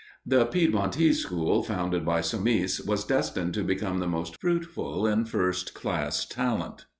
The Piedmontese school, founded by Somis, was destined to become the most fruitful in first class talent.